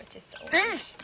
うん。